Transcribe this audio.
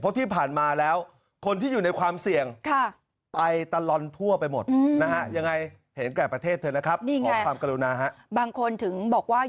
เพราะที่ผ่านมาแล้วคนที่อยู่ในความเสี่ยง